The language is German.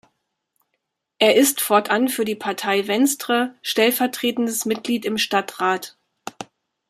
Er ist fortan für die Partei Venstre stellvertretendes Mitglied im Stadtrat.